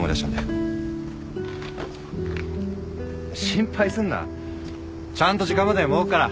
心配すんなちゃんと時間までには戻っから。